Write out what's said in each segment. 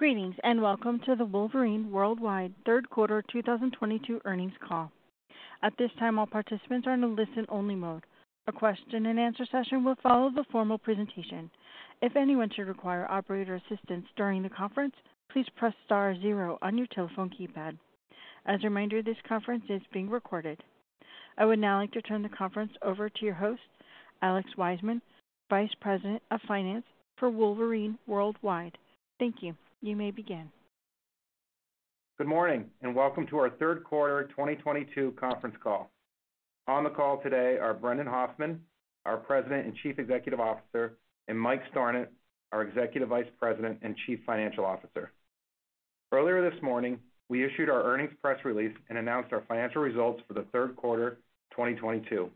Greetings, and welcome to the Wolverine Worldwide Third Quarter 2022 Earnings Call. At this time, all participants are in a listen only mode. A question and answer session will follow the formal presentation. If anyone should require operator assistance during the conference, please press star zero on your telephone keypad. As a reminder, this conference is being recorded. I would now like to turn the conference over to your host, Alex Wiseman, Vice President of Finance for Wolverine Worldwide. Thank you. You may begin. Good morning, and welcome to Third Quarter 2022 Conference Call. On the call today are Brendan Hoffman, our President and Chief Executive Officer, and Mike Stornant, our Executive Vice President and Chief Financial Officer. Earlier this morning, we issued our earnings press release and announced our financial results for the third quarter 2022.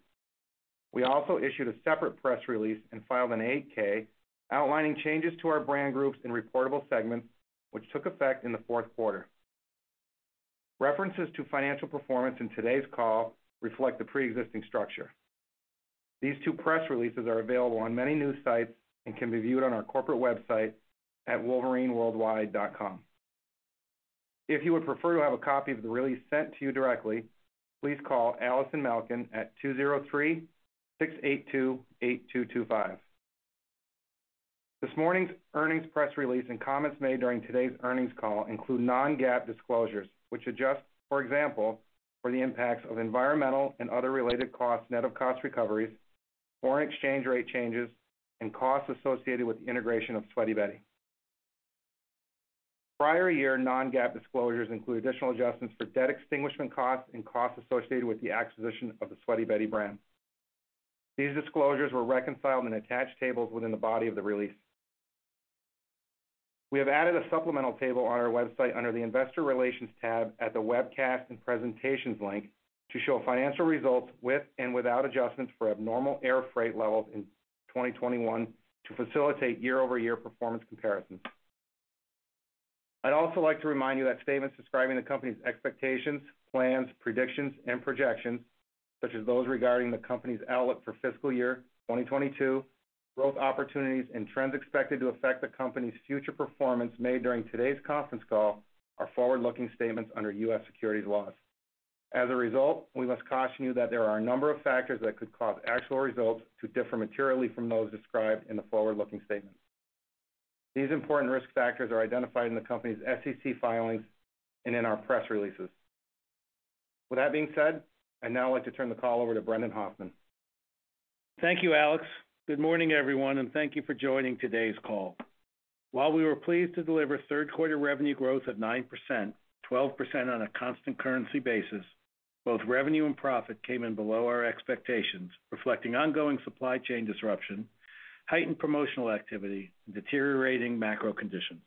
We also issued a separate press release and filed an 8-K outlining changes to our brand groups in reportable segments which took effect in the fourth quarter. References to financial performance in today's call reflect the pre-existing structure. These two press releases are available on many news sites and can be viewed on our corporate website at wolverineworldwide.com. If you would prefer to have a copy of the release sent to you directly, please call Allison Malkin at 203-682-8225. This morning's earnings press release and comments made during today's earnings call include non-GAAP disclosures which adjust, for example, for the impacts of environmental and other related costs, net of cost recoveries, foreign exchange rate changes, and costs associated with the integration of Sweaty Betty. Prior year non-GAAP disclosures include additional adjustments for debt extinguishment costs and costs associated with the acquisition of the Sweaty Betty brand. These disclosures were reconciled in attached tables within the body of the release. We have added a supplemental table on our website under the Investor Relations tab at the Webcast and Presentations link to show financial results with and without adjustments for abnormal air freight levels in 2021 to facilitate year-over-year performance comparisons. I'd also like to remind you that statements describing the company's expectations, plans, predictions, and projections, such as those regarding the company's outlook for fiscal year 2022, growth opportunities and trends expected to affect the company's future performance made during today's conference call are forward-looking statements under U.S. securities laws. As a result, we must caution you that there are a number of factors that could cause actual results to differ materially from those described in the forward-looking statements. These important risk factors are identified in the company's SEC filings and in our press releases. With that being said, I'd now like to turn the call over to Brendan Hoffman. Thank you, Alex. Good morning, everyone, and thank you for joining today's call. While we were pleased to deliver third quarter revenue growth of 9%, 12% on a constant currency basis, both revenue and profit came in below our expectations, reflecting ongoing supply chain disruption, heightened promotional activity, and deteriorating macro conditions.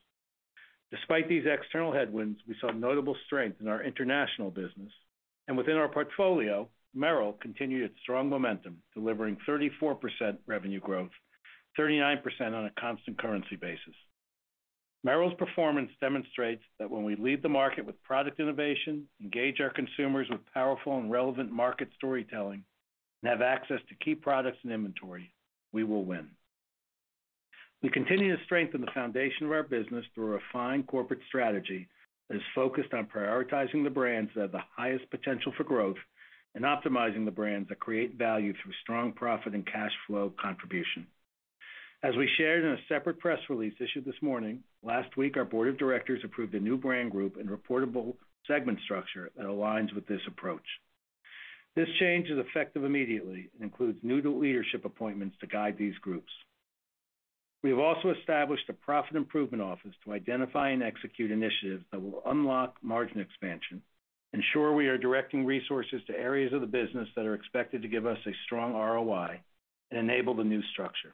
Despite these external headwinds, we saw notable strength in our international business. Within our portfolio, Merrell continued its strong momentum, delivering 34% revenue growth, 39% on a constant currency basis. Merrell's performance demonstrates that when we lead the market with product innovation, engage our consumers with powerful and relevant market storytelling, and have access to key products and inventory, we will win. We continue to strengthen the foundation of our business through a refined corporate strategy that is focused on prioritizing the brands that have the highest potential for growth and optimizing the brands that create value through strong profit and cash flow contribution. As we shared in a separate press release issued this morning, last week, our board of directors approved a new brand group and reportable segment structure that aligns with this approach. This change is effective immediately and includes new leadership appointments to guide these groups. We have also established a Profit Improvement Office to identify and execute initiatives that will unlock margin expansion, ensure we are directing resources to areas of the business that are expected to give us a strong ROI, and enable the new structure.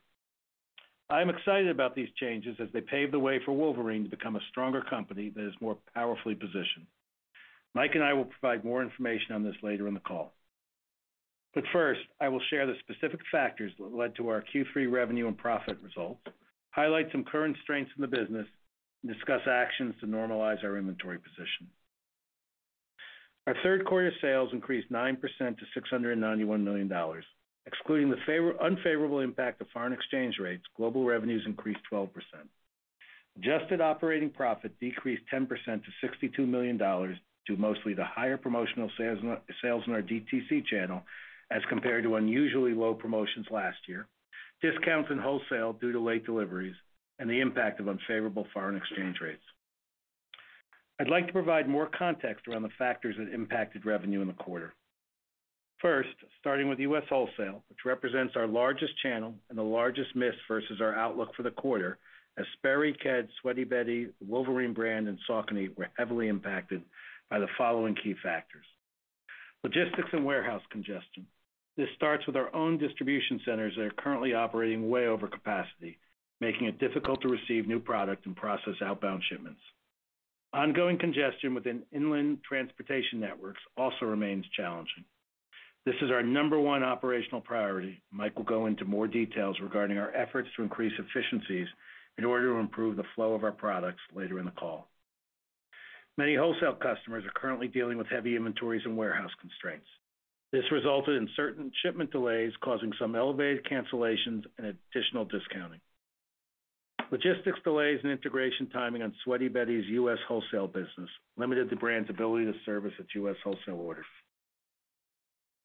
I am excited about these changes as they pave the way for Wolverine to become a stronger company that is more powerfully positioned. Mike and I will provide more information on this later in the call. First, I will share the specific factors that led to our Q3 revenue and profit results, highlight some current strengths in the business, and discuss actions to normalize our inventory position. Our third quarter sales increased 9% to $691 million. Excluding the unfavorable impact of foreign exchange rates, global revenues increased 12%. Adjusted operating profit decreased 10% to $62 million, due mostly to the higher promotional sales in our DTC channel as compared to unusually low promotions last year, discounts in wholesale due to late deliveries, and the impact of unfavorable foreign exchange rates. I'd like to provide more context around the factors that impacted revenue in the quarter. First, starting with U.S. wholesale, which represents our largest channel and the largest miss versus our outlook for the quarter, as Sperry, Keds, Sweaty Betty, Wolverine brand, and Saucony were heavily impacted by the following key factors. Logistics and warehouse congestion. This starts with our own distribution centers that are currently operating way over capacity, making it difficult to receive new product and process outbound shipments. Ongoing congestion within inland transportation networks also remains challenging. This is our number one operational priority. Mike will go into more details regarding our efforts to increase efficiencies in order to improve the flow of our products later in the call. Many wholesale customers are currently dealing with heavy inventories and warehouse constraints. This resulted in certain shipment delays, causing some elevated cancellations and additional discounting. Logistics delays and integration timing on Sweaty Betty's U.S. wholesale business limited the brand's ability to service its U.S. wholesale orders.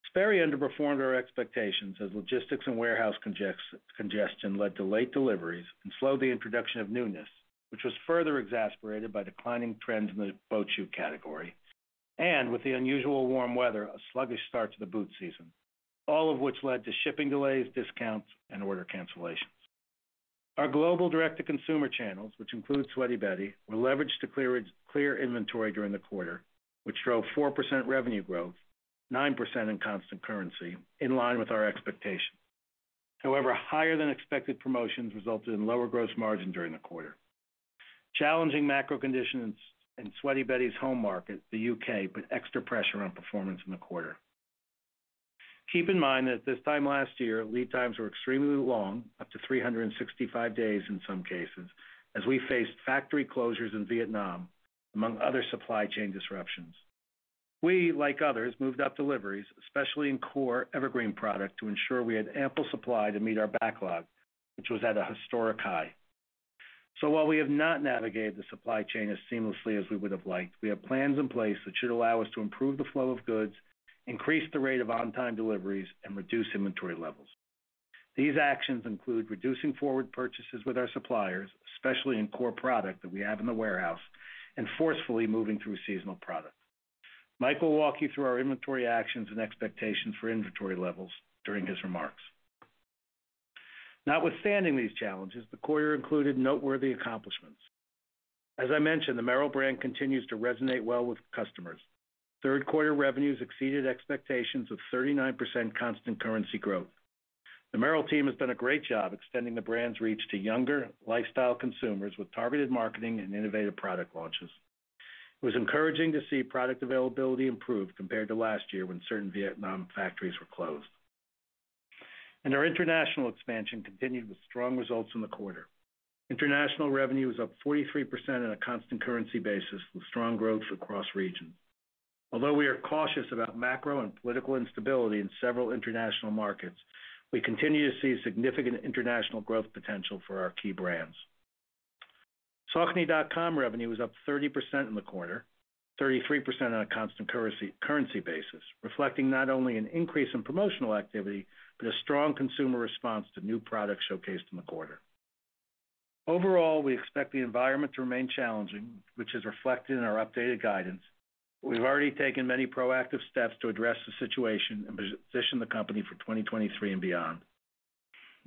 Sperry underperformed our expectations as logistics and warehouse congestion led to late deliveries and slowed the introduction of newness, which was further exacerbated by declining trends in the boat shoe category, and with the unusual warm weather, a sluggish start to the boot season, all of which led to shipping delays, discounts, and order cancellations. Our global direct-to-consumer channels, which includes Sweaty Betty, were leveraged to clear inventory during the quarter, which drove 4% revenue growth, 9% in constant currency, in line with our expectations. However, higher than expected promotions resulted in lower gross margin during the quarter. Challenging macro conditions in Sweaty Betty's home market, the U.K., put extra pressure on performance in the quarter. Keep in mind that this time last year, lead times were extremely long, up to 365 days in some cases, as we faced factory closures in Vietnam, among other supply chain disruptions. We, like others, moved up deliveries, especially in core evergreen product to ensure we had ample supply to meet our backlog, which was at a historic high. While we have not navigated the supply chain as seamlessly as we would have liked, we have plans in place that should allow us to improve the flow of goods, increase the rate of on-time deliveries, and reduce inventory levels. These actions include reducing forward purchases with our suppliers, especially in core product that we have in the warehouse, and forcefully moving through seasonal products. Mike will walk you through our inventory actions and expectations for inventory levels during his remarks. Notwithstanding these challenges, the quarter included noteworthy accomplishments. As I mentioned, the Merrell brand continues to resonate well with customers. Third quarter revenues exceeded expectations of 39% constant currency growth. The Merrell team has done a great job extending the brand's reach to younger lifestyle consumers with targeted marketing and innovative product launches. It was encouraging to see product availability improve compared to last year when certain Vietnam factories were closed. Our international expansion continued with strong results in the quarter. International revenue was up 43% on a constant currency basis, with strong growth across regions. Although we are cautious about macro and political instability in several international markets, we continue to see significant international growth potential for our key brands. saucony.com revenue was up 30% in the quarter, 33% on a constant currency basis, reflecting not only an increase in promotional activity, but a strong consumer response to new products showcased in the quarter. Overall, we expect the environment to remain challenging, which is reflected in our updated guidance, but we've already taken many proactive steps to address the situation and position the company for 2023 and beyond.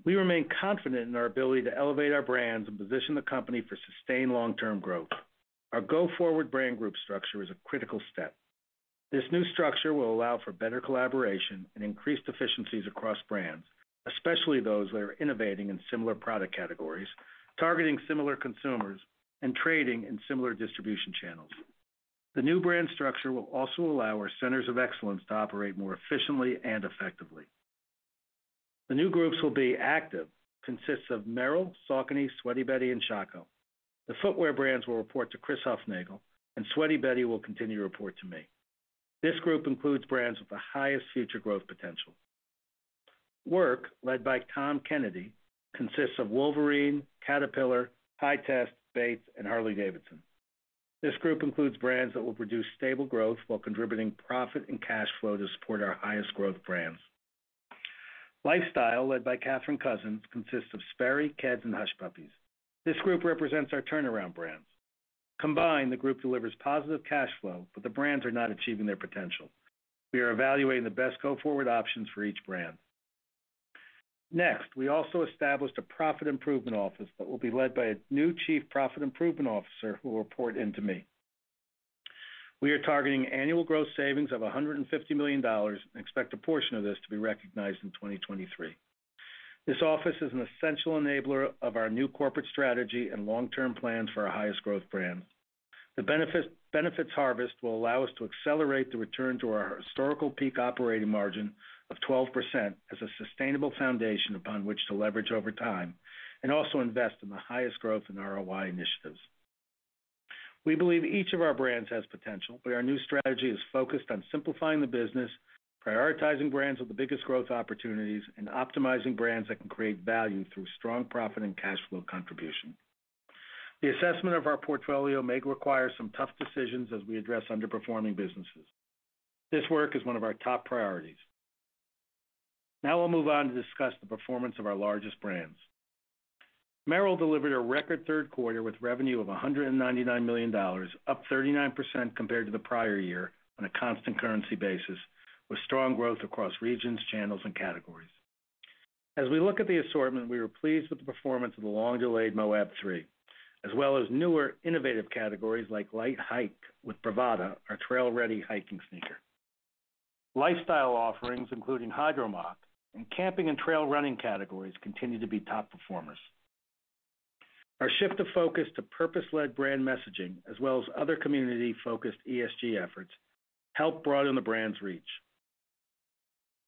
We remain confident in our ability to elevate our brands and position the company for sustained long-term growth. Our go-forward brand group structure is a critical step. This new structure will allow for better collaboration and increased efficiencies across brands, especially those that are innovating in similar product categories, targeting similar consumers, and trading in similar distribution channels. The new brand structure will also allow our centers of excellence to operate more efficiently and effectively. The new groups will be Active, consists of Merrell, Saucony, Sweaty Betty, and Chaco. The footwear brands will report to Chris Hufnagel, and Sweaty Betty will continue to report to me. This group includes brands with the highest future growth potential. Work, led by Tom Kennedy, consists of Wolverine, Caterpillar, Hy-Test, Bates, and Harley-Davidson. This group includes brands that will produce stable growth while contributing profit and cash flow to support our highest growth brands. Lifestyle, led by Katherine Cousins, consists of Sperry, Keds, and Hush Puppies. This group represents our turnaround brands. Combined, the group delivers positive cash flow, but the brands are not achieving their potential. We are evaluating the best go-forward options for each brand. Next, we also established a Profit Improvement Office that will be led by a new Chief Profit Improvement Officer who will report into me. We are targeting annual growth savings of $150 million and expect a portion of this to be recognized in 2023. This office is an essential enabler of our new corporate strategy and long-term plans for our highest growth brands. The benefits harvest will allow us to accelerate the return to our historical peak operating margin of 12% as a sustainable foundation upon which to leverage over time and also invest in the highest growth in ROI initiatives. We believe each of our brands has potential, but our new strategy is focused on simplifying the business, prioritizing brands with the biggest growth opportunities, and optimizing brands that can create value through strong profit and cash flow contribution. The assessment of our portfolio may require some tough decisions as we address underperforming businesses. This work is one of our top priorities. Now we'll move on to discuss the performance of our largest brands. Merrell delivered a record third quarter, with revenue of $199 million, up 39% compared to the prior year on a constant currency basis, with strong growth across regions, channels, and categories. As we look at the assortment, we were pleased with the performance of the long-delayed Moab 3, as well as newer innovative categories like Light Hike with Bravada, our trail-ready hiking sneaker. Lifestyle offerings, including Hydro Moc, and camping and trail running categories continued to be top performers. Our shift of focus to purpose-led brand messaging, as well as other community-focused ESG efforts, helped broaden the brand's reach.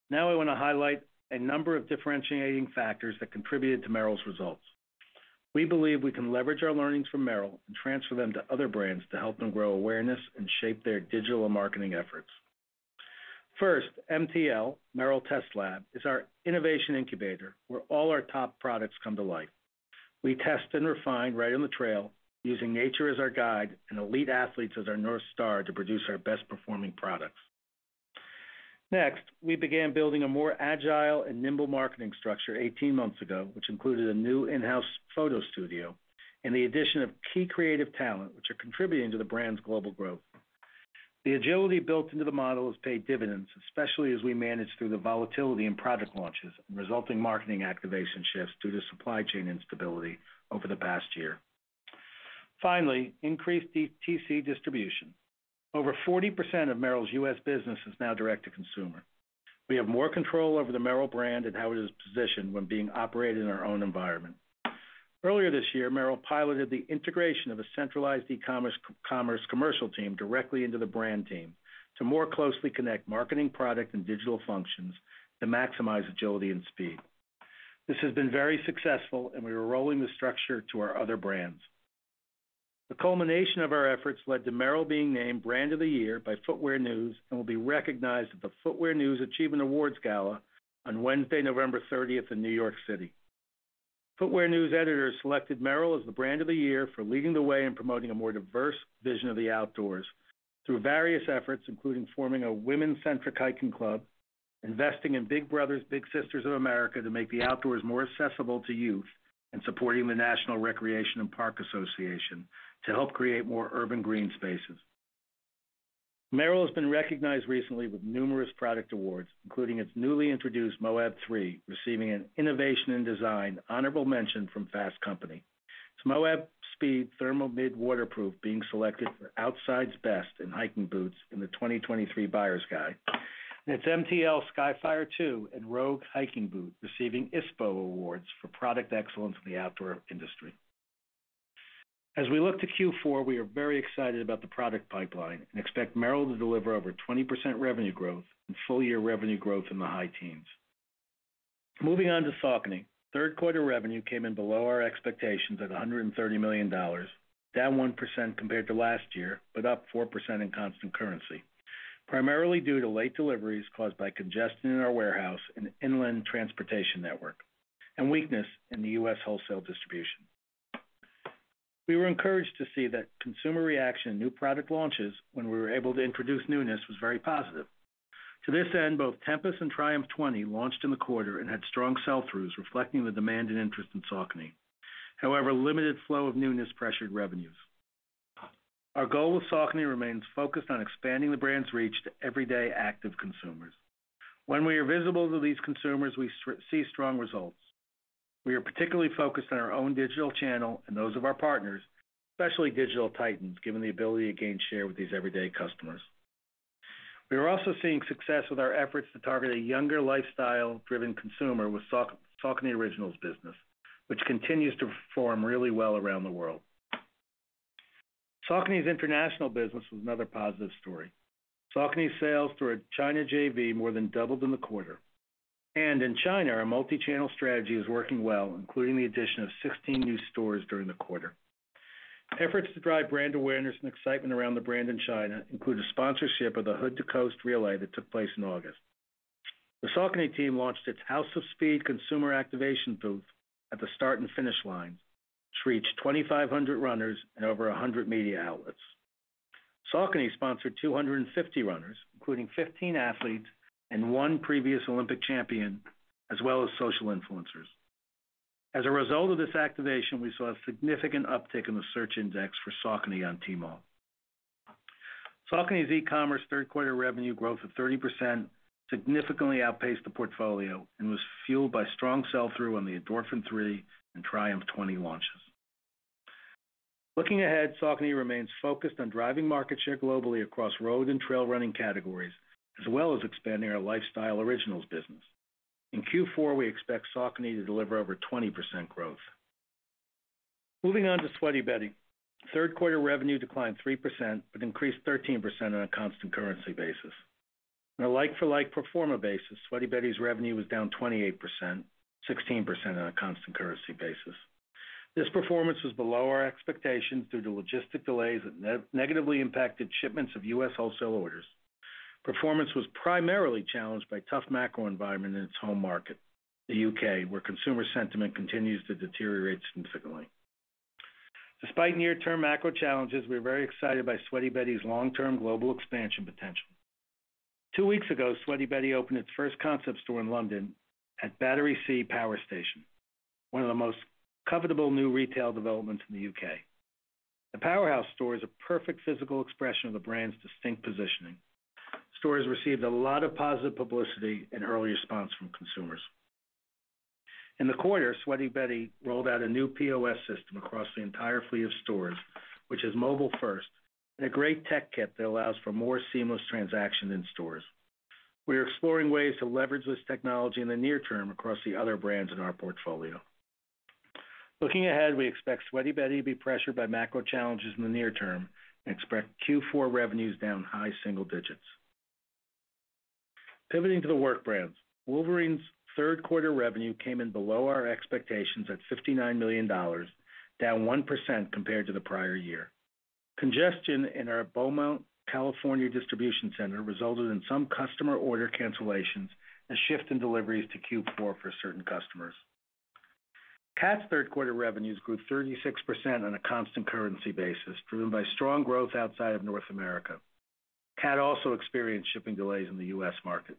Now I want to highlight a number of differentiating factors that contributed to Merrell's results. We believe we can leverage our learnings from Merrell and transfer them to other brands to help them grow awareness and shape their digital marketing efforts. First, MTL, Merrell Test Lab, is our innovation incubator where all our top products come to life. We test and refine right on the trail using nature as our guide and elite athletes as our North Star to produce our best performing products. Next, we began building a more agile and nimble marketing structure 18 months ago, which included a new in-house photo studio and the addition of key creative talent, which are contributing to the brand's global growth. The agility built into the model has paid dividends, especially as we manage through the volatility in product launches and resulting marketing activation shifts due to supply chain instability over the past year. Finally, increased DTC distribution. Over 40% of Merrell's U.S. business is now direct-to-consumer. We have more control over the Merrell brand and how it is positioned when being operated in our own environment. Earlier this year, Merrell piloted the integration of a centralized e-commerce commerce commercial team directly into the brand team to more closely connect marketing, product, and digital functions to maximize agility and speed. This has been very successful, and we are rolling the structure to our other brands. The culmination of our efforts led to Merrell being named Brand of the Year by Footwear News, and will be recognized at the Footwear News Achievement Awards Gala on Wednesday, November 30th in New York City. Footwear News editors selected Merrell as the brand of the year for leading the way in promoting a more diverse vision of the outdoors through various efforts, including forming a women-centric hiking club, investing in Big Brothers Big Sisters of America to make the outdoors more accessible to youth, and supporting the National Recreation and Park Association to help create more urban green spaces. Merrell has been recognized recently with numerous product awards, including its newly introduced Moab 3, receiving an Innovation in Design Honorable Mention from Fast Company, its Moab Speed Thermo Mid Waterproof being selected for Outside's Best in Hiking Boots in the 2023 Buyer's Guide, and its MTL Skyfire 2 and Rogue hiking boot receiving ISPO awards for product excellence in the outdoor industry. As we look to Q4, we are very excited about the product pipeline and expect Merrell to deliver over 20% revenue growth and full-year revenue growth in the high teens. Moving on to Saucony. Third quarter revenue came in below our expectations at $130 million, down 1% compared to last year, but up 4% in constant currency, primarily due to late deliveries caused by congestion in our warehouse and inland transportation network, and weakness in the U.S. wholesale distribution. We were encouraged to see that consumer reaction to new product launches when we were able to introduce newness was very positive. To this end, both Tempus and Triumph 20 launched in the quarter and had strong sell-throughs reflecting the demand and interest in Saucony. However, limited flow of newness pressured revenues. Our goal with Saucony remains focused on expanding the brand's reach to everyday active consumers. When we are visible to these consumers, we see strong results. We are particularly focused on our own digital channel and those of our partners, especially digital titans, given the ability to gain share with these everyday customers. We are also seeing success with our efforts to target a younger lifestyle-driven consumer with Saucony Originals business, which continues to perform really well around the world. Saucony's international business was another positive story. Saucony sales through a China JV more than doubled in the quarter. In China, our multi-channel strategy is working well, including the addition of 16 new stores during the quarter. Efforts to drive brand awareness and excitement around the brand in China include a sponsorship of the Hood to Coast relay that took place in August. The Saucony team launched its House of Speed consumer activation booth at the start and finish line, which reached 2,500 runners and over 100 media outlets. Saucony sponsored 250 runners, including 15 athletes and 1 previous Olympic champion, as well as social influencers. As a result of this activation, we saw a significant uptick in the search index for Saucony on Tmall. Saucony's e-commerce third quarter revenue growth of 30% significantly outpaced the portfolio and was fueled by strong sell-through on the Endorphin 3 and Triumph 20 launches. Looking ahead, Saucony remains focused on driving market share globally across road and trail running categories, as well as expanding our lifestyle originals business. In Q4, we expect Saucony to deliver over 20% growth. Moving on to Sweaty Betty. Third quarter revenue declined 3%, but increased 13% on a constant currency basis. On a like-for-like pro forma basis, Sweaty Betty's revenue was down 28%, 16% on a constant currency basis. This performance was below our expectations due to logistic delays that negatively impacted shipments of U.S. wholesale orders. Performance was primarily challenged by tough macro environment in its home market, the U.K., where consumer sentiment continues to deteriorate significantly. Despite near-term macro challenges, we're very excited by Sweaty Betty's long-term global expansion potential. Two weeks ago, Sweaty Betty opened its first concept store in London at Battersea Power Station, one of the most covetable new retail developments in the U.K. The powerhouse store is a perfect physical expression of the brand's distinct positioning. The store has received a lot of positive publicity and early response from consumers. In the quarter, Sweaty Betty rolled out a new POS system across the entire fleet of stores, which is mobile first, and a great tech kit that allows for more seamless transaction in stores. We are exploring ways to leverage this technology in the near term across the other brands in our portfolio. Looking ahead, we expect Sweaty Betty be pressured by macro challenges in the near term and expect Q4 revenues down high single digits. Pivoting to the work brands. Wolverine's third quarter revenue came in below our expectations at $59 million, down 1% compared to the prior year. Congestion in our Beaumont, California, distribution center resulted in some customer order cancellations and shift in deliveries to Q4 for certain customers. Cat's third quarter revenues grew 36% on a constant currency basis, driven by strong growth outside of North America. Keds also experienced shipping delays in the U.S. market.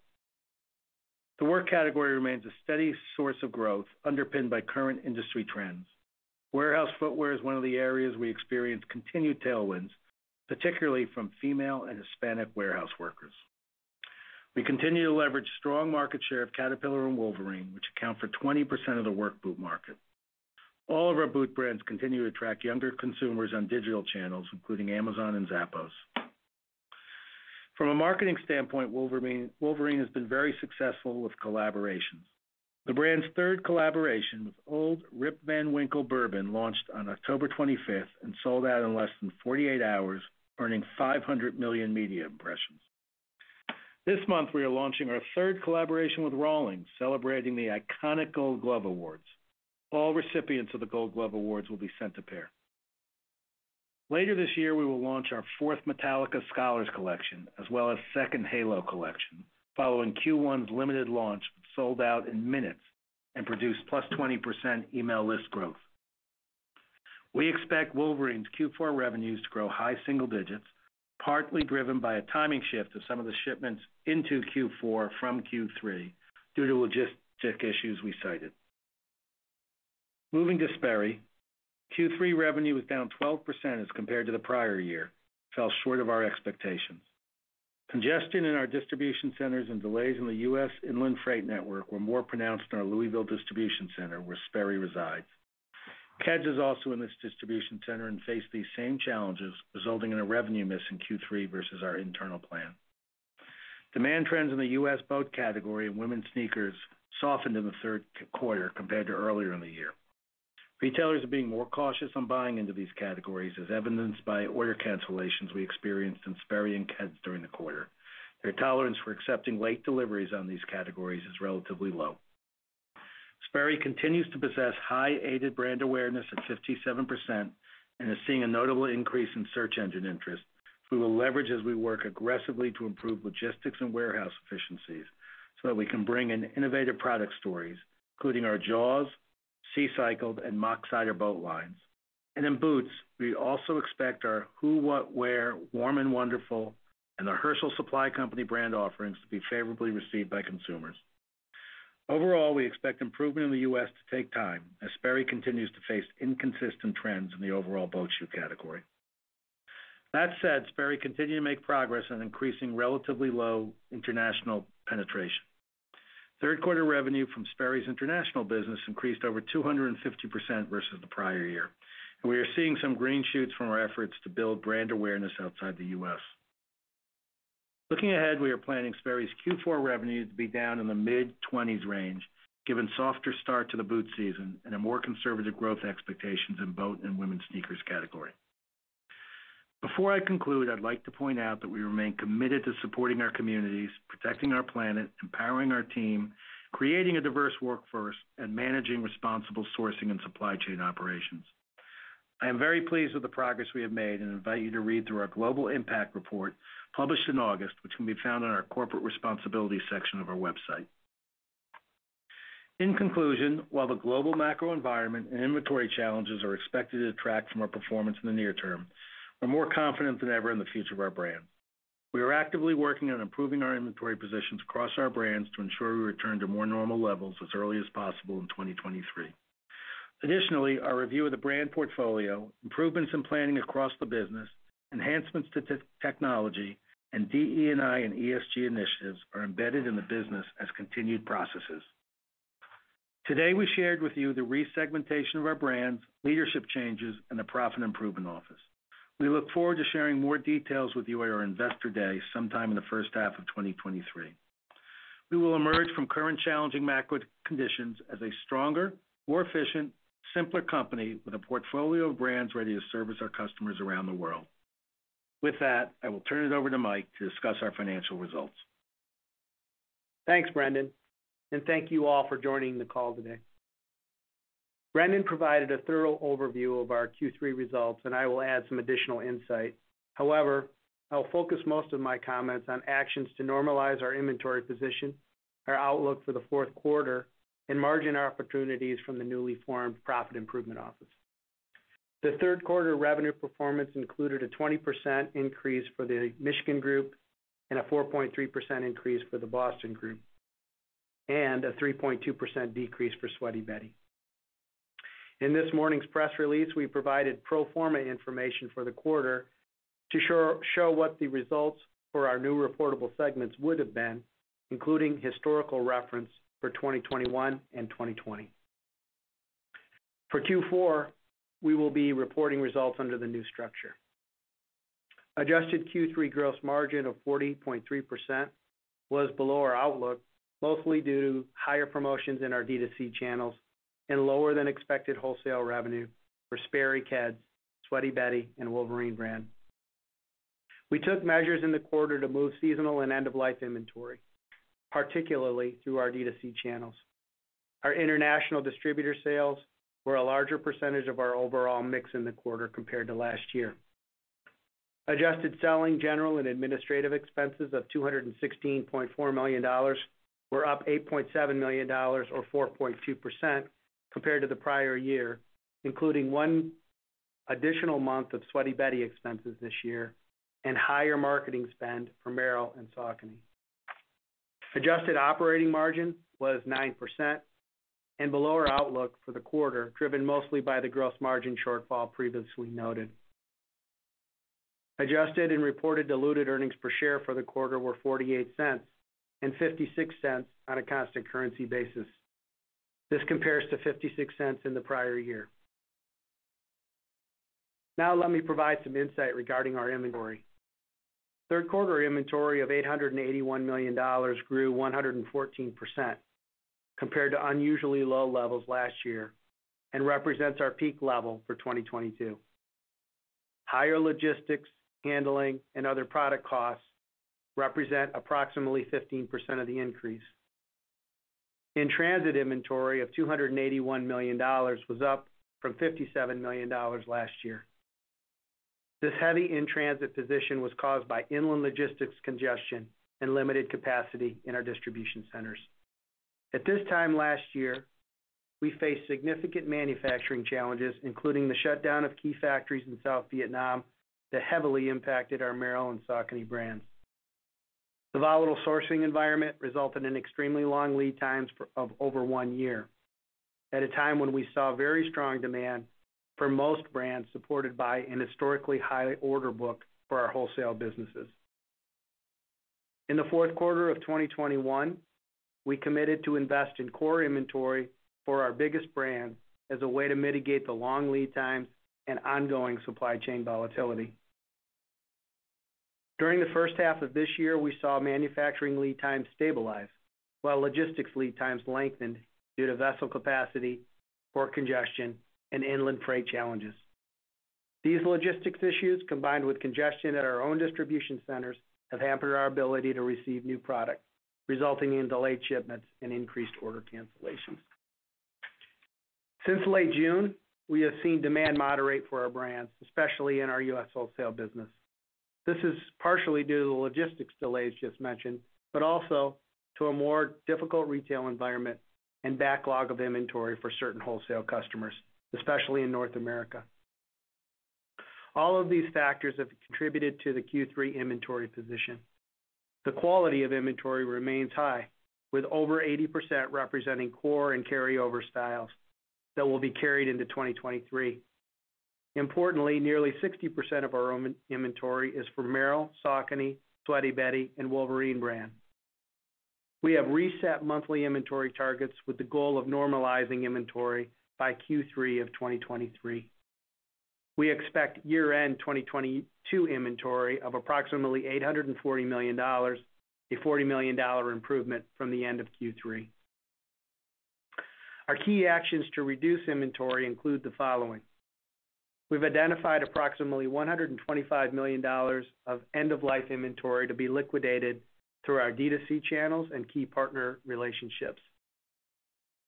The work category remains a steady source of growth underpinned by current industry trends. Warehouse footwear is one of the areas we experience continued tailwinds, particularly from female and Hispanic warehouse workers. We continue to leverage strong market share of Caterpillar and Wolverine, which account for 20% of the work boot market. All of our boot brands continue to attract younger consumers on digital channels, including Amazon and Zappos. From a marketing standpoint, Wolverine has been very successful with collaborations. The brand's third collaboration with Old Rip Van Winkle Bourbon launched on October 25 and sold out in less than 48 hours, earning 500 million media impressions. This month, we are launching our third collaboration with Rawlings, celebrating the iconic Gold Glove Awards. All recipients of the Gold Glove Awards will be sent a pair. Later this year, we will launch our fourth Metallica Scholars collection, as well as second Halo collection, following Q1's limited launch, which sold out in minutes and produced +20% email list growth. We expect Wolverine's Q4 revenues to grow high single digits, partly driven by a timing shift of some of the shipments into Q4 from Q3 due to logistical issues we cited. Moving to Sperry, Q3 revenue was down 12% as compared to the prior year, fell short of our expectations. Congestion in our distribution centers and delays in the U.S. inland freight network were more pronounced in our Louisville distribution center where Sperry resides. Keds is also in this distribution center and faced these same challenges, resulting in a revenue miss in Q3 versus our internal plan. Demand trends in the U.S. boat category and women's sneakers softened in the third quarter compared to earlier in the year. Retailers are being more cautious on buying into these categories, as evidenced by order cancellations we experienced in Sperry and Keds during the quarter. Their tolerance for accepting late deliveries on these categories is relatively low. Sperry continues to possess high aided brand awareness at 57% and is seeing a notable increase in search engine interest. We will leverage as we work aggressively to improve logistics and warehouse efficiencies so that we can bring in innovative product stories, including our JAWS, SeaCycled, and Moc-Sider boat lines. In boots, we also expect our Who What Wear Warm and Wonderful and our Herschel Supply Company brand offerings to be favorably received by consumers. Overall, we expect improvement in the U.S. to take time as Sperry continues to face inconsistent trends in the overall boat shoe category. That said, Sperry continued to make progress on increasing relatively low international penetration. Third quarter revenue from Sperry's international business increased over 250% versus the prior year, and we are seeing some green shoots from our efforts to build brand awareness outside the U.S. Looking ahead, we are planning Sperry's Q4 revenue to be down in the mid-20s range, given softer start to the boot season and a more conservative growth expectations in boat and women's sneakers category. Before I conclude, I'd like to point out that we remain committed to supporting our communities, protecting our planet, empowering our team, creating a diverse workforce, and managing responsible sourcing and supply chain operations. I am very pleased with the progress we have made and invite you to read through our Global Impact Report published in August, which can be found on our corporate responsibility section of our website. In conclusion, while the global macro environment and inventory challenges are expected to detract from our performance in the near term, we're more confident than ever in the future of our brand. We are actively working on improving our inventory positions across our brands to ensure we return to more normal levels as early as possible in 2023. Additionally, our review of the brand portfolio, improvements in planning across the business, enhancements to the technology, and DE&I and ESG initiatives are embedded in the business as continued processes. Today, we shared with you the resegmentation of our brands, leadership changes, and the Profit Improvement Office. We look forward to sharing more details with you at our Investor Day sometime in the first half of 2023. We will emerge from current challenging macro conditions as a stronger, more efficient, simpler company with a portfolio of brands ready to service our customers around the world. With that, I will turn it over to Mike to discuss our financial results. Thanks, Brendan, and thank you all for joining the call today. Brendan provided a thorough overview of our Q3 results, and I will add some additional insight. However, I'll focus most of my comments on actions to normalize our inventory position, our outlook for the fourth quarter, and margin opportunities from the newly formed Profit Improvement Office. The third quarter revenue performance included a 20% increase for the Wolverine Michigan Group and a 4.3% increase for the Wolverine Boston Group, and a 3.2% decrease for Sweaty Betty. In this morning's press release, we provided pro forma information for the quarter to show what the results for our new reportable segments would have been, including historical reference for 2021 and 2020. For Q4, we will be reporting results under the new structure. Adjusted Q3 gross margin of 40.3% was below our outlook, mostly due to higher promotions in our D2C channels and lower than expected wholesale revenue for Sperry, Keds, Sweaty Betty, and Wolverine brand. We took measures in the quarter to move seasonal and end of life inventory, particularly through our D2C channels. Our international distributor sales were a larger percentage of our overall mix in the quarter compared to last year. Adjusted selling, general and administrative expenses of $216.4 million were up $8.7 million or 4.2% compared to the prior year, including one additional month of Sweaty Betty expenses this year and higher marketing spend for Merrell and Saucony. Adjusted operating margin was 9% and below our outlook for the quarter, driven mostly by the gross margin shortfall previously noted. Adjusted and reported diluted earnings per share for the quarter were $0.48 and $0.56 on a constant currency basis. This compares to $0.56 in the prior year. Now let me provide some insight regarding our inventory. Third quarter inventory of $881 million grew 114% compared to unusually low levels last year, and represents our peak level for 2022. Higher logistics, handling, and other product costs represent approximately 15% of the increase. In transit inventory of $281 million was up from $57 million last year. This heavy in-transit position was caused by inland logistics congestion and limited capacity in our distribution centers. At this time last year, we faced significant manufacturing challenges, including the shutdown of key factories in South Vietnam that heavily impacted our Merrell and Saucony brands. The volatile sourcing environment resulted in extremely long lead times of over one year, at a time when we saw very strong demand for most brands, supported by an historically high order book for our wholesale businesses. In the fourth quarter of 2021, we committed to invest in core inventory for our biggest brands as a way to mitigate the long lead times and ongoing supply chain volatility. During the first half of this year, we saw manufacturing lead times stabilize, while logistics lead times lengthened due to vessel capacity, port congestion, and inland freight challenges. These logistics issues, combined with congestion at our own distribution centers, have hampered our ability to receive new product, resulting in delayed shipments and increased order cancellations. Since late June, we have seen demand moderate for our brands, especially in our U.S. wholesale business. This is partially due to the logistics delays just mentioned, but also to a more difficult retail environment and backlog of inventory for certain wholesale customers, especially in North America. All of these factors have contributed to the Q3 inventory position. The quality of inventory remains high, with over 80% representing core and carryover styles that will be carried into 2023. Importantly, nearly 60% of our own inventory is for Merrell, Saucony, Sweaty Betty, and Wolverine brand. We have reset monthly inventory targets with the goal of normalizing inventory by Q3 of 2023. We expect year-end 2022 inventory of approximately $840 million, a $40 million improvement from the end of Q3. Our key actions to reduce inventory include the following: We've identified approximately $125 million of end-of-life inventory to be liquidated through our D2C channels and key partner relationships.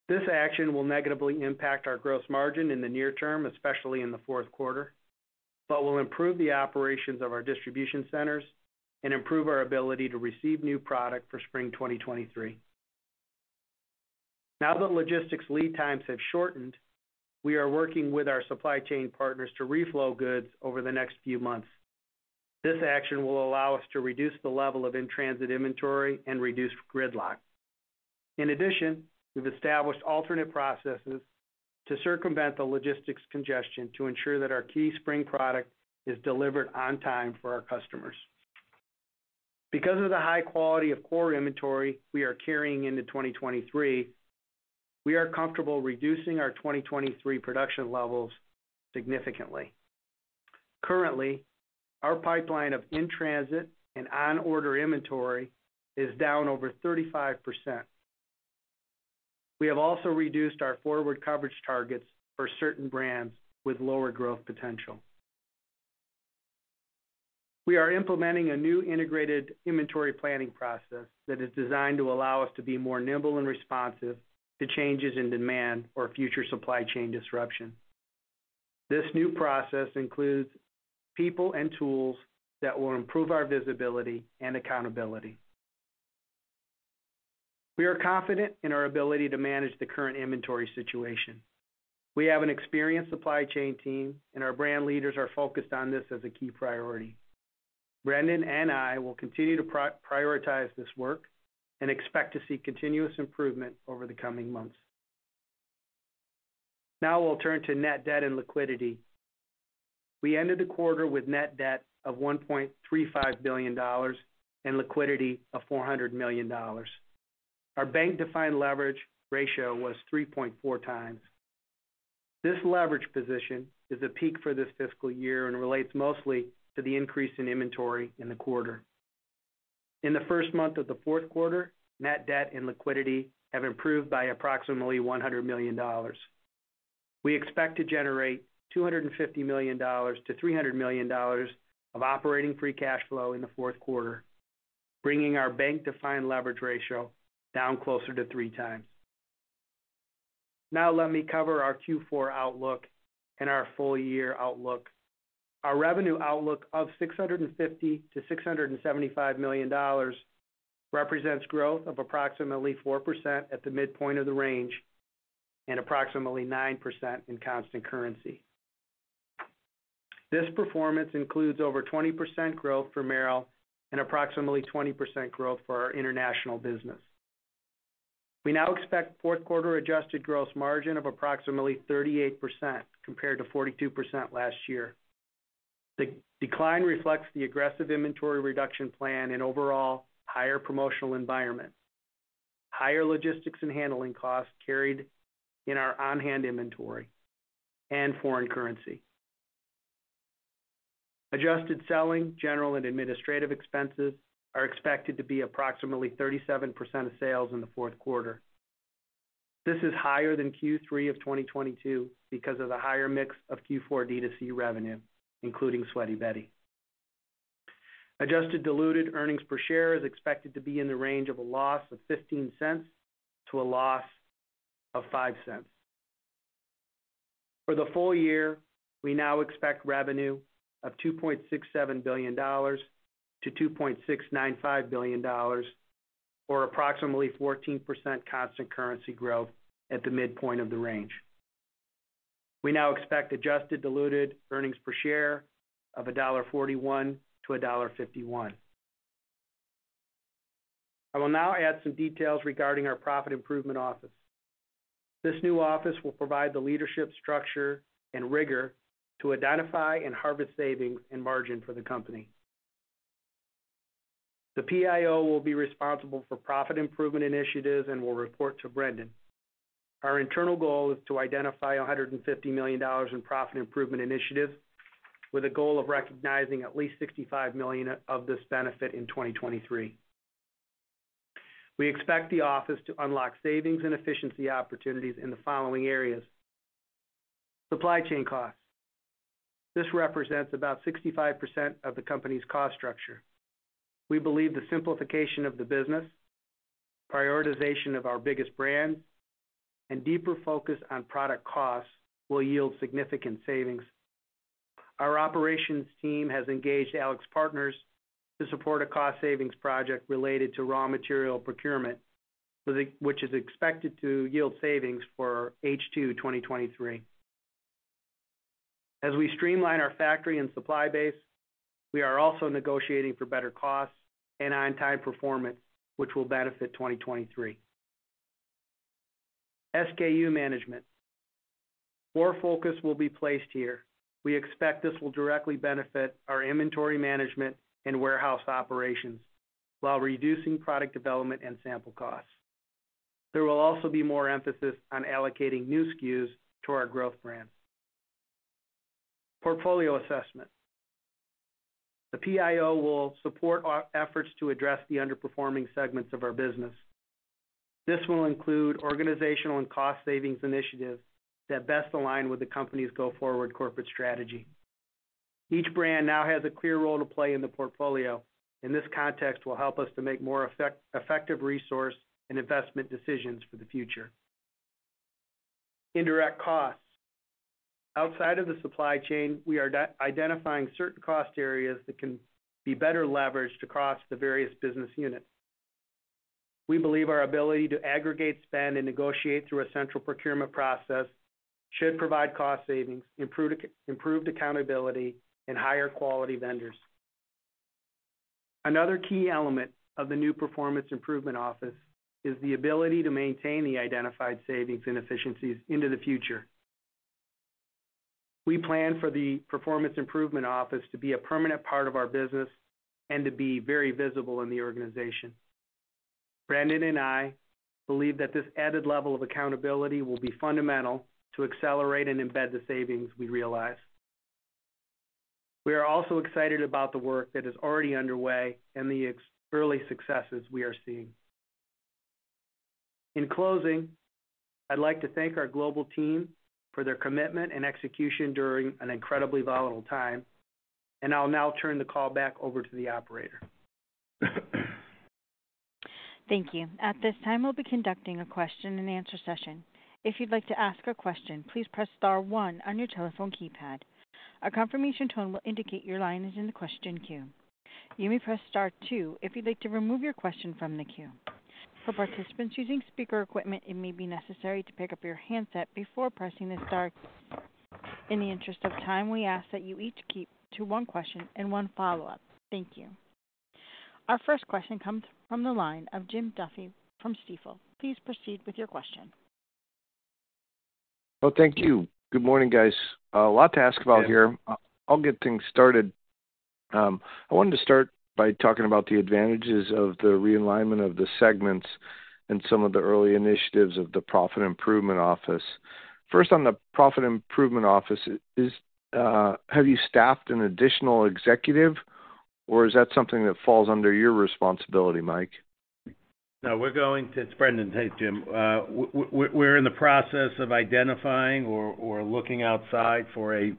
This action will negatively impact our gross margin in the near term, especially in the fourth quarter, but will improve the operations of our distribution centers and improve our ability to receive new product for spring 2023. Now that logistics lead times have shortened, we are working with our supply chain partners to reflow goods over the next few months. This action will allow us to reduce the level of in-transit inventory and reduce gridlock. In addition, we've established alternate processes to circumvent the logistics congestion to ensure that our key spring product is delivered on time for our customers. Because of the high quality of core inventory we are carrying into 2023, we are comfortable reducing our 2023 production levels significantly. Currently, our pipeline of in-transit and on-order inventory is down over 35%. We have also reduced our forward coverage targets for certain brands with lower growth potential. We are implementing a new integrated inventory planning process that is designed to allow us to be more nimble and responsive to changes in demand or future supply chain disruption. This new process includes people and tools that will improve our visibility and accountability. We are confident in our ability to manage the current inventory situation. We have an experienced supply chain team, and our brand leaders are focused on this as a key priority. Brendan and I will continue to prioritize this work and expect to see continuous improvement over the coming months. Now we'll turn to net debt and liquidity. We ended the quarter with net debt of $1.35 billion and liquidity of $400 million. Our bank-defined leverage ratio was 3.4 times. This leverage position is a peak for this fiscal year and relates mostly to the increase in inventory in the quarter. In the first month of the fourth quarter, net debt and liquidity have improved by approximately $100 million. We expect to generate $250 million-$300 million of operating free cash flow in the fourth quarter, bringing our bank-defined leverage ratio down closer to three times. Now let me cover our Q4 outlook and our full year outlook. Our revenue outlook of $650 million-$675 million represents growth of approximately 4% at the midpoint of the range and approximately 9% in constant currency. This performance includes over 20% growth for Merrell and approximately 20% growth for our international business. We now expect fourth quarter adjusted gross margin of approximately 38% compared to 42% last year. The decline reflects the aggressive inventory reduction plan and overall higher promotional environment. Higher logistics and handling costs carried in our on-hand inventory and foreign currency. Adjusted selling, general and administrative expenses are expected to be approximately 37% of sales in the fourth quarter. This is higher than Q3 of 2022 because of the higher mix of Q4 D2C revenue, including Sweaty Betty. Adjusted diluted earnings per share is expected to be in the range of a loss of $0.15 to a loss of $0.05. For the full year, we now expect revenue of $2.67 billion-$2.695 billion, or approximately 14% constant currency growth at the midpoint of the range. We now expect adjusted diluted earnings per share of $1.41-$1.51. I will now add some details regarding our profit improvement office. This new office will provide the leadership structure and rigor to identify and harvest savings and margin for the company. The PIO will be responsible for profit improvement initiatives and will report to Brendan. Our internal goal is to identify $150 million in profit improvement initiatives with a goal of recognizing at least $65 million of this benefit in 2023. We expect the office to unlock savings and efficiency opportunities in the following areas. Supply chain costs. This represents about 65% of the company's cost structure. We believe the simplification of the business, prioritization of our biggest brands, and deeper focus on product costs will yield significant savings. Our operations team has engaged AlixPartners to support a cost savings project related to raw material procurement, which is expected to yield savings for H2 2023. As we streamline our factory and supply base, we are also negotiating for better costs and on-time performance, which will benefit 2023. SKU management. More focus will be placed here. We expect this will directly benefit our inventory management and warehouse operations while reducing product development and sample costs. There will also be more emphasis on allocating new SKUs to our growth brands. Portfolio assessment. The PIO will support our efforts to address the underperforming segments of our business. This will include organizational and cost savings initiatives that best align with the company's go forward corporate strategy. Each brand now has a clear role to play in the portfolio, and this context will help us to make more effective resource and investment decisions for the future. Indirect costs. Outside of the supply chain, we are identifying certain cost areas that can be better leveraged across the various business units. We believe our ability to aggregate spend and negotiate through a central procurement process should provide cost savings, improved accountability and higher quality vendors. Another key element of the new Profit Improvement Office is the ability to maintain the identified savings and efficiencies into the future. We plan for the Profit Improvement Office to be a permanent part of our business and to be very visible in the organization. Brendan and I believe that this added level of accountability will be fundamental to accelerate and embed the savings we realize. We are also excited about the work that is already underway and the early successes we are seeing. In closing, I'd like to thank our global team for their commitment and execution during an incredibly volatile time. I'll now turn the call back over to the operator. Thank you. At this time, we'll be conducting a question and answer session. If you'd like to ask a question, please press star one on your telephone keypad. A confirmation tone will indicate your line is in the question queue. You may press Star two if you'd like to remove your question from the queue. For participants using speaker equipment, it may be necessary to pick up your handset before pressing the star key. In the interest of time, we ask that you each keep to one question and one follow-up. Thank you. Our first question comes from the line of Jim Duffy from Stifel. Please proceed with your question. Oh, thank you. Good morning, guys. A lot to ask about here. I'll get things started. I wanted to start by talking about the advantages of the realignment of the segments and some of the early initiatives of the Profit Improvement Office. First on the Profit Improvement Office, have you staffed an additional executive, or is that something that falls under your responsibility, Mike? It's Brendan. Hey, Jim. We're in the process of identifying or looking outside for a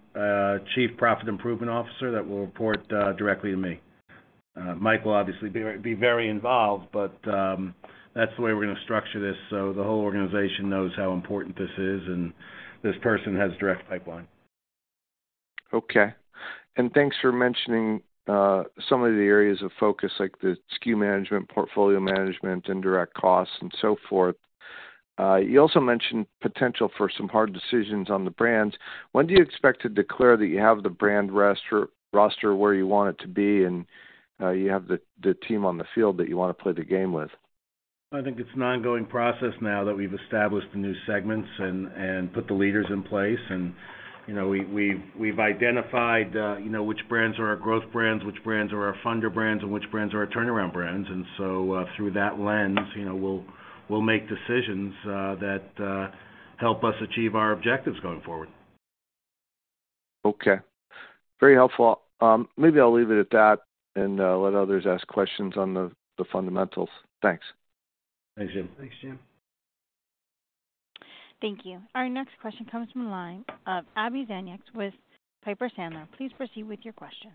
Chief Profit Improvement Officer that will report directly to me. Mike will obviously be very involved, but that's the way we're gonna structure this, so the whole organization knows how important this is, and this person has direct pipeline. Okay. Thanks for mentioning some of the areas of focus like the SKU management, portfolio management, indirect costs, and so forth. You also mentioned potential for some hard decisions on the brands. When do you expect to declare that you have the brand roster where you want it to be and, you have the team on the field that you wanna play the game with? I think it's an ongoing process now that we've established the new segments and put the leaders in place. You know, we've identified, you know, which brands are our growth brands, which brands are our funder brands, and which brands are our turnaround brands. Through that lens, you know, we'll make decisions that help us achieve our objectives going forward. Okay. Very helpful. Maybe I'll leave it at that and let others ask questions on the fundamentals. Thanks. Thanks, Jim. Thanks, Jim. Thank you. Our next question comes from the line of Abbie Zvejnieks with Piper Sandler. Please proceed with your question.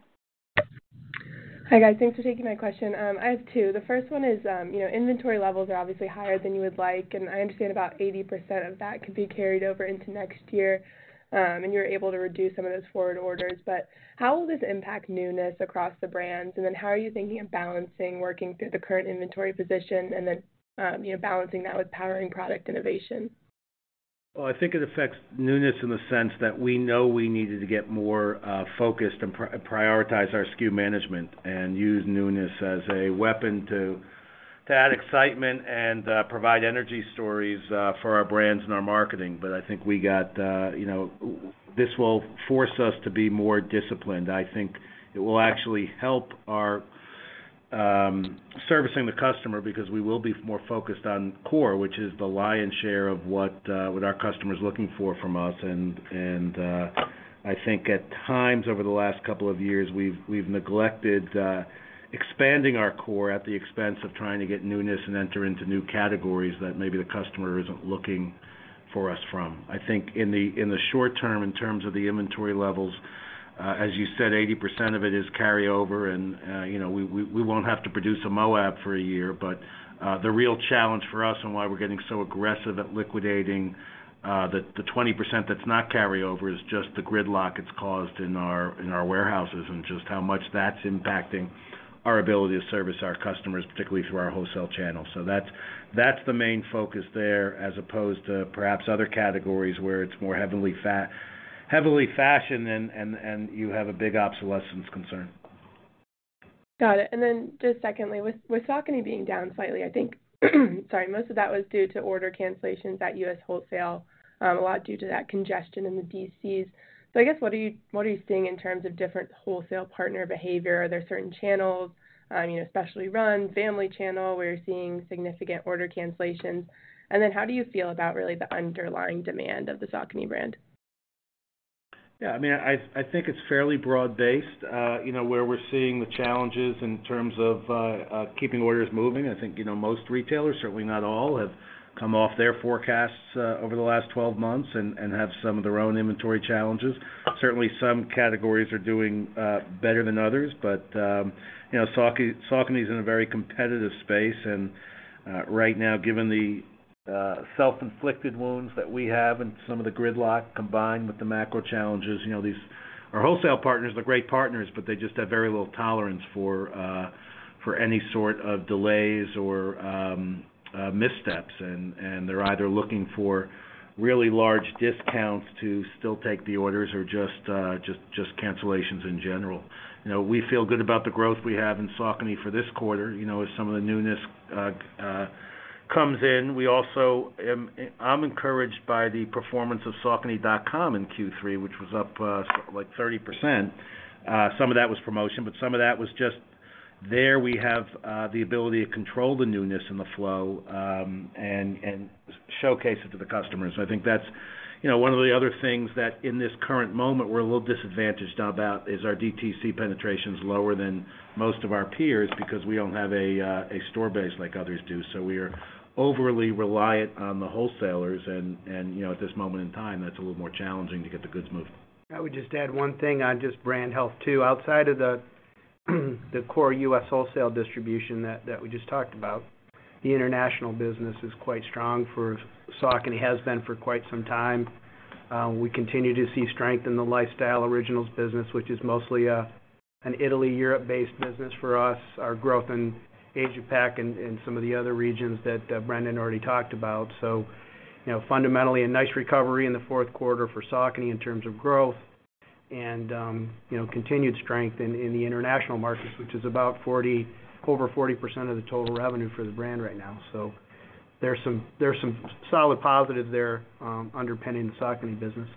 Hi, guys. Thanks for taking my question. I have two. The first one is, you know, inventory levels are obviously higher than you would like, and I understand about 80% of that could be carried over into next year, and you're able to reduce some of those forward orders. How will this impact newness across the brands? Then how are you thinking of balancing working through the current inventory position and then, you know, balancing that with powering product innovation? I think it affects newness in the sense that we know we needed to get more focused and prioritize our SKU management and use newness as a weapon to add excitement and provide energy stories for our brands and our marketing. I think we got you know. This will force us to be more disciplined. I think it will actually help our servicing the customer because we will be more focused on core, which is the lion's share of what our customer's looking for from us. I think at times over the last couple of years, we've neglected expanding our core at the expense of trying to get newness and enter into new categories that maybe the customer isn't looking for us from. I think in the short term, in terms of the inventory levels, as you said, 80% of it is carryover and, you know, we won't have to produce a Moab for a year. But the real challenge for us and why we're getting so aggressive at liquidating the 20% that's not carryover is just the gridlock it's caused in our warehouses and just how much that's impacting our ability to service our customers, particularly through our wholesale channel. That's the main focus there as opposed to perhaps other categories where it's more heavily fashion and you have a big obsolescence concern. Got it. Then just secondly, with Saucony being down slightly, I think, sorry, most of that was due to order cancellations at U.S. wholesale, a lot due to that congestion in the DCs. I guess, what are you seeing in terms of different wholesale partner behavior? Are there certain channels, you know, especially running, family channel, where you're seeing significant order cancellations? Then how do you feel about really the underlying demand of the Saucony brand? Yeah. I mean, I think it's fairly broad-based, you know, where we're seeing the challenges in terms of keeping orders moving. I think, you know, most retailers, certainly not all, have come off their forecasts over the last 12 months and have some of their own inventory challenges. Certainly, some categories are doing better than others. You know, Saucony is in a very competitive space, and right now, given the self-inflicted wounds that we have and some of the gridlock combined with the macro challenges, you know, these. Our wholesale partners are great partners, but they just have very little tolerance for any sort of delays or missteps. They're either looking for really large discounts to still take the orders or just cancellations in general. You know, we feel good about the growth we have in Saucony for this quarter. You know, as some of the newness comes in. We also, I'm encouraged by the performance of saucony.com in Q3, which was up like 30%. Some of that was promotion, but some of that was just there we have the ability to control the newness and the flow and showcase it to the customers. I think that's, you know, one of the other things that in this current moment we're a little disadvantaged about is our DTC penetration's lower than most of our peers because we don't have a store base like others do. We are overly reliant on the wholesalers and, you know, at this moment in time, that's a little more challenging to get the goods moving. I would just add one thing on just brand health too. Outside of the core U.S. wholesale distribution that we just talked about, the international business is quite strong for Saucony. It has been for quite some time. We continue to see strength in the Saucony Originals business, which is mostly an Italy, Europe-based business for us, our growth in Asia Pac and some of the other regions that Brendan already talked about. You know, fundamentally, a nice recovery in the fourth quarter for Saucony in terms of growth and you know, continued strength in the international markets, which is about over 40% of the total revenue for the brand right now. There's some solid positive there underpinning the Saucony business.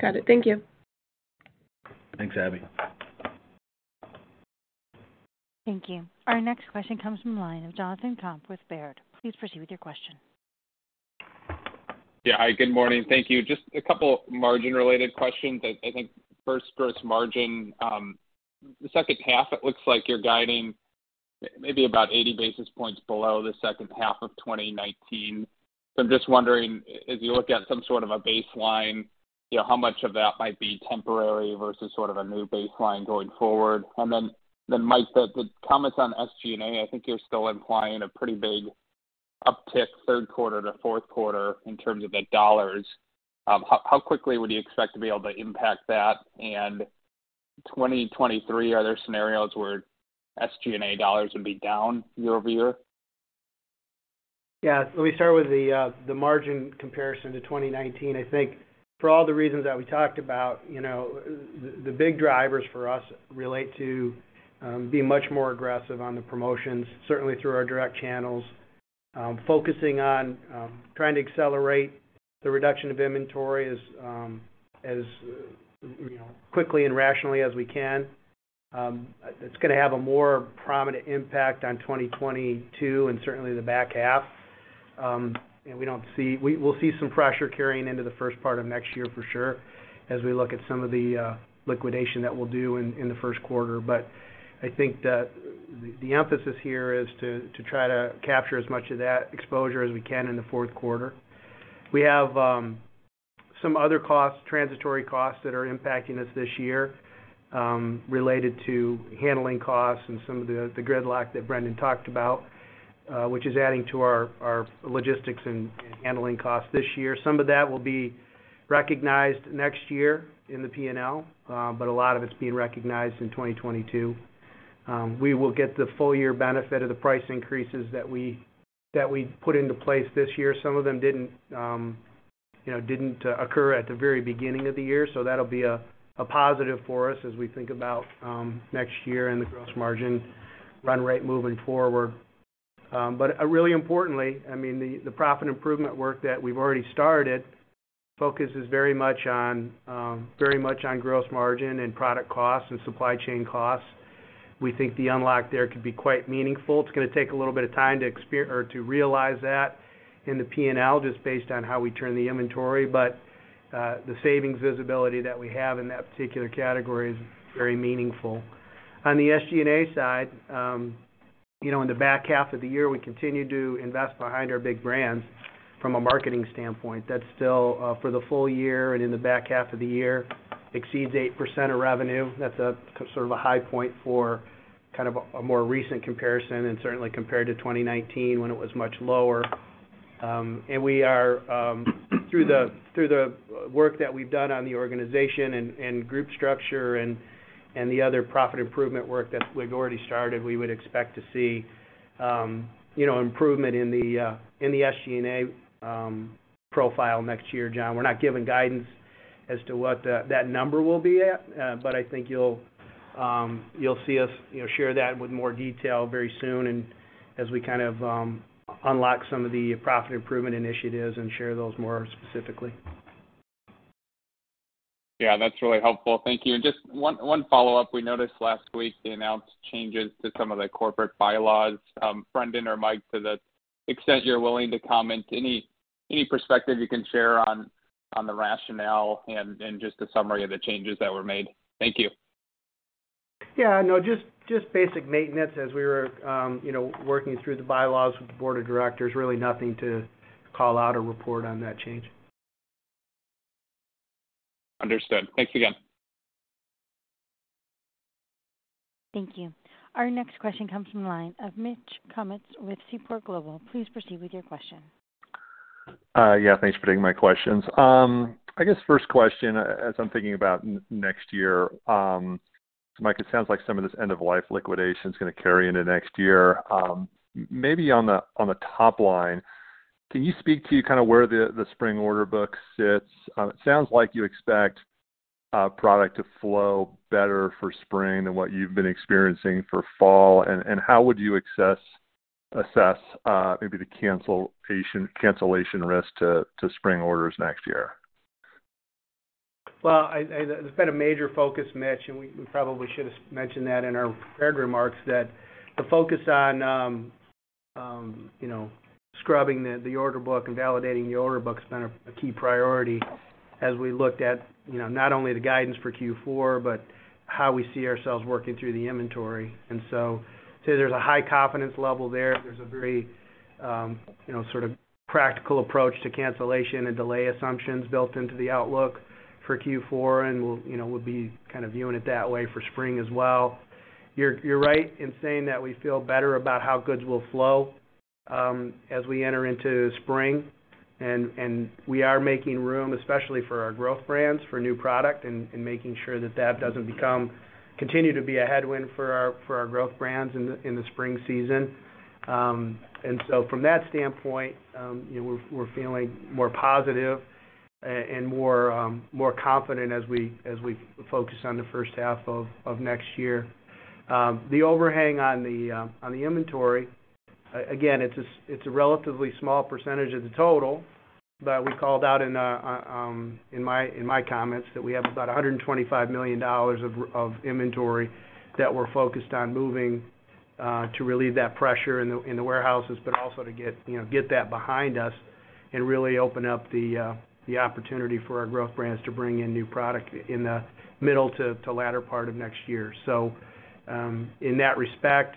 Got it. Thank you. Thanks, Abby. Thank you. Our next question comes from the line of Jonathan Komp with Baird. Please proceed with your question. Yeah. Hi, good morning. Thank you. Just a couple of margin-related questions. I think first gross margin, the second half, it looks like you're guiding maybe about 80 basis points below the second half of 2019. I'm just wondering, as you look at some sort of a baseline, you know, how much of that might be temporary versus sort of a new baseline going forward? Then Mike, the comments on SG&A, I think you're still implying a pretty big uptick third quarter to fourth quarter in terms of like dollars. How quickly would you expect to be able to impact that? And 2023, are there scenarios where SG&A dollars would be down year over year? Yeah. Let me start with the margin comparison to 2019. I think for all the reasons that we talked about, you know, the big drivers for us relate to being much more aggressive on the promotions, certainly through our direct channels. Focusing on trying to accelerate the reduction of inventory as you know, quickly and rationally as we can. It's gonna have a more prominent impact on 2022 and certainly the back half. We'll see some pressure carrying into the first part of next year for sure, as we look at some of the liquidation that we'll do in the first quarter. I think that the emphasis here is to try to capture as much of that exposure as we can in the fourth quarter. We have some other costs, transitory costs that are impacting us this year, related to handling costs and some of the gridlock that Brendan talked about, which is adding to our logistics and handling costs this year. Some of that will be recognized next year in the P&L, but a lot of it's being recognized in 2022. We will get the full year benefit of the price increases that we put into place this year. Some of them didn't, you know, occur at the very beginning of the year, so that'll be a positive for us as we think about next year and the gross margin run rate moving forward. Really importantly, I mean, the profit improvement work that we've already started focuses very much on very much on gross margin and product costs and supply chain costs. We think the unlock there could be quite meaningful. It's gonna take a little bit of time to realize that in the P&L just based on how we turn the inventory. The savings visibility that we have in that particular category is very meaningful. On the SG&A side, you know, in the back half of the year, we continue to invest behind our big brands from a marketing standpoint. That's still, for the full year and in the back half of the year, exceeds 8% of revenue. That's a sort of a high point for kind of a more recent comparison and certainly compared to 2019 when it was much lower. We are through the work that we've done on the organization and group structure and the other profit improvement work that we've already started. We would expect to see you know improvement in the SG&A profile next year, Jon. We're not giving guidance as to what that number will be at, but I think you'll see us you know share that with more detail very soon and as we kind of unlock some of the profit improvement initiatives and share those more specifically. Yeah, that's really helpful. Thank you. Just one follow-up. We noticed last week they announced changes to some of the corporate bylaws. Brendan or Mike, to the extent you're willing to comment, any perspective you can share on the rationale and just a summary of the changes that were made? Thank you. Yeah, no, just basic maintenance as we were, you know, working through the bylaws with the board of directors. Really nothing to call out or report on that change. Understood. Thanks again. Thank you. Our next question comes from the line of Mitch Kummetz with Seaport Global. Please proceed with your question. Yeah, thanks for taking my questions. I guess first question, as I'm thinking about next year, Mike, it sounds like some of this end-of-life liquidation is gonna carry into next year. Maybe on the top line, can you speak to kind of where the spring order book sits? It sounds like you expect product to flow better for spring than what you've been experiencing for fall. How would you assess maybe the cancellation risk to spring orders next year? It's been a major focus, Mitch, and we probably should have mentioned that in our prepared remarks, that the focus on scrubbing the order book and validating the order book has been a key priority as we looked at, you know, not only the guidance for Q4, but how we see ourselves working through the inventory. I'd say there's a high confidence level there. There's a very, you know, sort of practical approach to cancellation and delay assumptions built into the outlook for Q4, and we'll be kind of viewing it that way for spring as well. You're right in saying that we feel better about how goods will flow as we enter into spring. We are making room, especially for our growth brands, for new product and making sure that that doesn't continue to be a headwind for our growth brands in the spring season. From that standpoint, you know, we're feeling more positive and more confident as we focus on the first half of next year. The overhang on the inventory, again, it's a relatively small percentage of the total that we called out in my comments that we have about $125 million of inventory that we're focused on moving to relieve that pressure in the warehouses, but also to get that behind us and really open up the opportunity for our growth brands to bring in new product in the middle to latter part of next year. In that respect,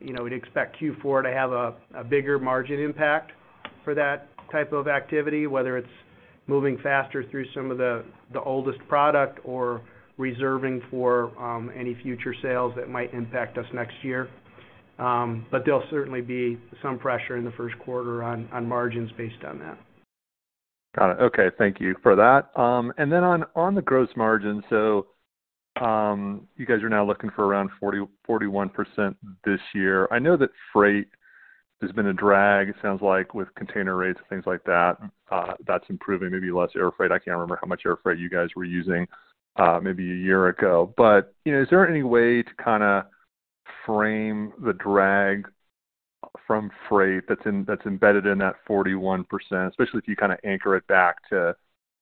you know, we'd expect Q4 to have a bigger margin impact for that type of activity, whether it's moving faster through some of the oldest product or reserving for any future sales that might impact us next year. There'll certainly be some pressure in the first quarter on margins based on that. Got it. Okay. Thank you for that. On the gross margin, you guys are now looking for around 40%-41% this year. I know that freight has been a drag, it sounds like, with container rates and things like that. That's improving. Maybe less air freight. I can't remember how much air freight you guys were using, maybe a year ago. You know, is there any way to kinda frame the drag from freight that's embedded in that 41%, especially if you kinda anchor it back to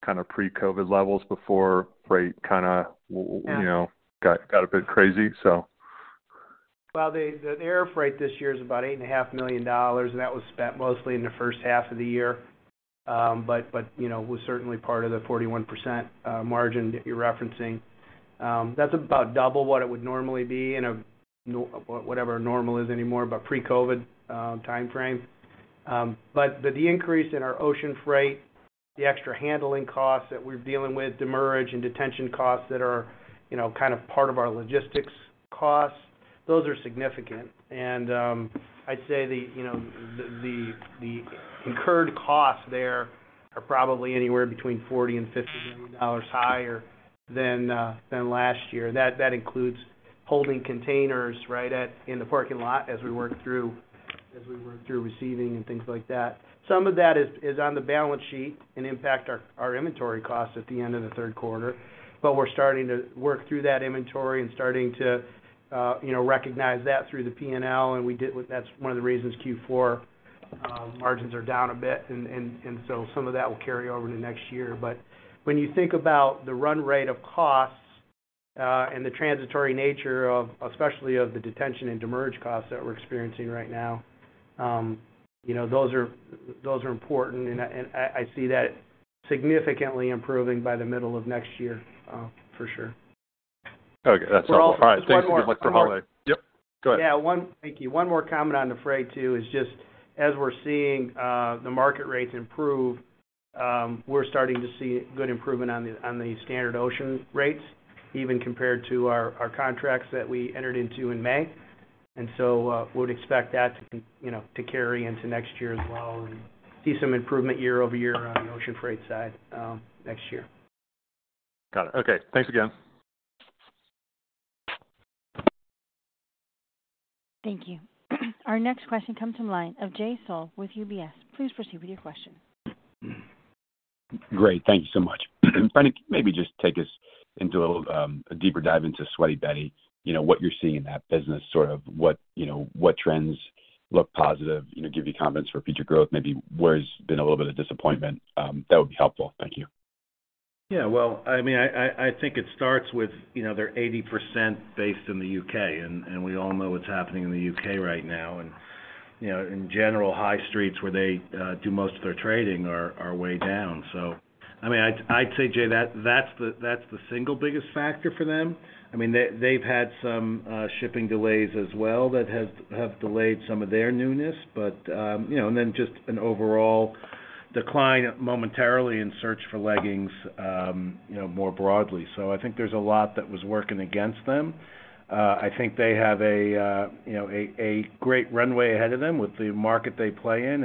kinda pre-COVID levels before freight kinda. Yeah You know, got a bit crazy? So. Well, the air freight this year is about $8 and a half million, and that was spent mostly in the first half of the year. You know, it was certainly part of the 41% margin that you're referencing. That's about double what it would normally be in whatever normal is anymore, but pre-COVID timeframe. The increase in our ocean freight, the extra handling costs that we're dealing with, demurrage and detention costs that are, you know, kind of part of our logistics costs, those are significant. I'd say you know, the incurred costs there are probably anywhere between $40 million and $50 million higher than last year. That includes holding containers right in the parking lot as we work through receiving and things like that. Some of that is on the balance sheet and impact our inventory costs at the end of the third quarter. We're starting to work through that inventory and starting to you know recognize that through the P&L. That's one of the reasons Q4 margins are down a bit. Some of that will carry over to next year. When you think about the run rate of costs and the transitory nature of, especially of the detention and demurrage costs that we're experiencing right now, you know, those are important, and I see that significantly improving by the middle of next year, for sure. Okay. That's helpful. Well- All right. Thank you. One more. Good luck for holiday. Yep. Go ahead. Yeah. Thank you. One more comment on the freight, too, is just as we're seeing the market rates improve, we're starting to see good improvement on the standard ocean rates, even compared to our contracts that we entered into in May. Would expect that, you know, to carry into next year as well and see some improvement year over year on the ocean freight side, next year. Got it. Okay. Thanks again. Thank you. Our next question comes from the line of Jay Sole with UBS. Please proceed with your question. Great. Thank you so much. Trying to maybe just take us into a deeper dive into Sweaty Betty, you know, what you're seeing in that business, sort of what, you know, what trends look positive, you know, give you confidence for future growth, maybe where it's been a little bit of disappointment, that would be helpful. Thank you. Yeah. Well, I mean, I think it starts with, you know, they're 80% based in the UK, and we all know what's happening in the UK right now. You know, in general, high streets where they do most of their trading are way down. I mean, I'd say, Jay, that's the single biggest factor for them. I mean, they've had some shipping delays as well that have delayed some of their newness. You know, and then just an overall decline momentarily in search for leggings, you know, more broadly. I think there's a lot that was working against them. I think they have a great runway ahead of them with the market they play in.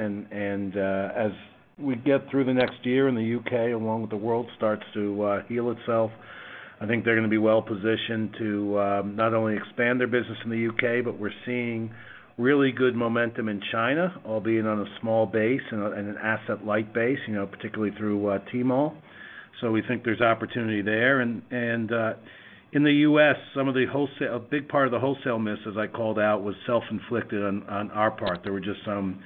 As we get through the next year in the U.K., along with the world starts to heal itself, I think they're gonna be well positioned to not only expand their business in the U.K., but we're seeing really good momentum in China, albeit on a small base and an asset light base, you know, particularly through Tmall. We think there's opportunity there. In the U.S., some of the wholesale, a big part of the wholesale miss, as I called out, was self-inflicted on our part. There were just some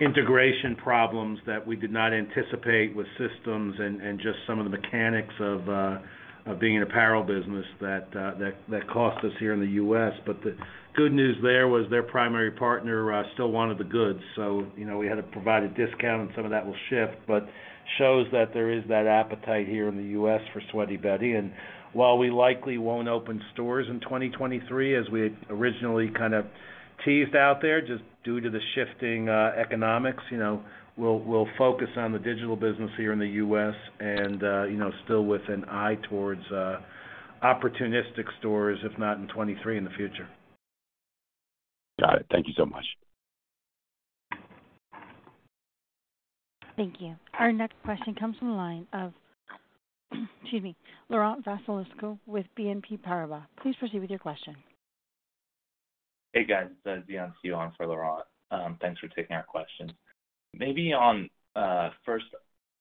integration problems that we did not anticipate with systems and just some of the mechanics of being an apparel business that cost us here in the U.S. The good news there was their primary partner still wanted the goods, so, you know, we had to provide a discount, and some of that will shift, but shows that there is that appetite here in the U.S. for Sweaty Betty. While we likely won't open stores in 2023, as we originally kind of teased out there, just due to the shifting economics, you know, we'll focus on the digital business here in the U.S. and, you know, still with an eye towards opportunistic stores, if not in 2023, in the future. Got it. Thank you so much. Thank you. Our next question comes from the line of, excuse me, Laurent Vasilescu with BNP Paribas. Please proceed with your question. Hey, guys. It's Zion Sion for Laurent. Thanks for taking our questions. Maybe on first,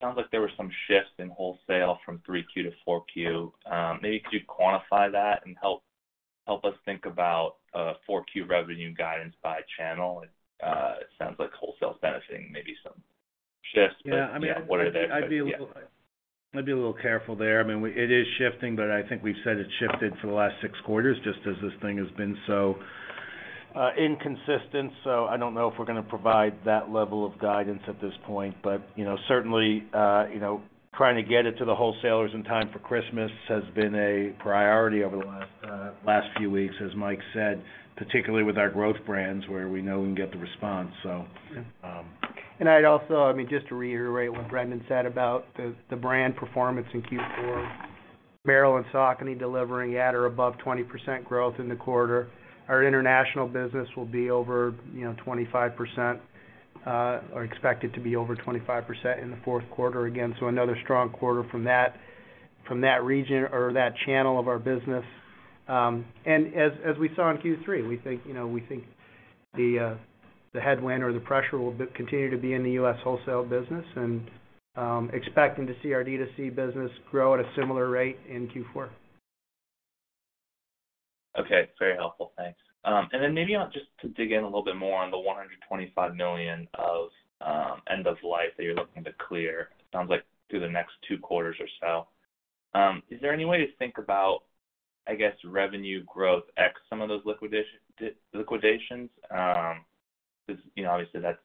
sounds like there were some shifts in wholesale from 3Q to 4Q. Maybe could you quantify that and help us think about 4Q revenue guidance by channel. It sounds like wholesale is benefiting maybe some shifts. Yeah, I mean. Yeah, what are they? Yeah. I'd be a little careful there. I mean, it is shifting, but I think we've said it shifted for the last six quarters just as this thing has been so inconsistent. I don't know if we're gonna provide that level of guidance at this point. You know, certainly, you know, trying to get it to the wholesalers in time for Christmas has been a priority over the last few weeks, as Mike said, particularly with our growth brands where we know we can get the response, so. Yeah. Um- I'd also, I mean, just to reiterate what Brendan said about the brand performance in Q4, Merrell and Saucony delivering at or above 20% growth in the quarter. Our international business will be over 25% or expected to be over 25% in the fourth quarter again. Another strong quarter from that region or that channel of our business. As we saw in Q3, we think the headwind or the pressure will continue to be in the US wholesale business and expecting to see our D2C business grow at a similar rate in Q4. Okay. Very helpful. Thanks. Maybe on just to dig in a little bit more on the $125 million of end of life that you're looking to clear, sounds like through the next two quarters or so. Is there any way to think about, I guess, revenue growth ex some of those liquidations? 'Cause, you know, obviously, that's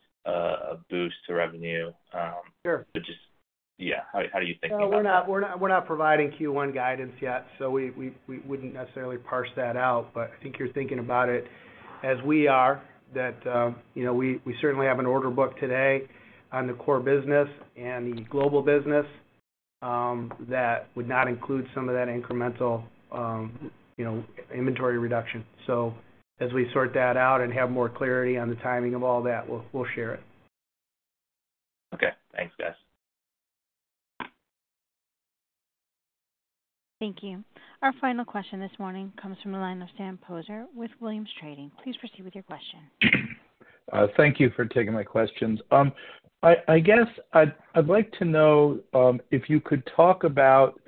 a boost to revenue. Sure. How are you thinking about that? No, we're not providing Q1 guidance yet, so we wouldn't necessarily parse that out. I think you're thinking about it as we are that, you know, we certainly have an order book today on the core business and the global business, that would not include some of that incremental, you know, inventory reduction. As we sort that out and have more clarity on the timing of all that, we'll share it. Okay. Thanks, guys. Thank you. Our final question this morning comes from the line of Sam Poser with Williams Trading. Please proceed with your question. Thank you for taking my questions. I guess I'd like to know if you could talk about